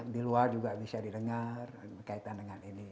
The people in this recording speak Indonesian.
di luar juga bisa didengar berkaitan dengan ini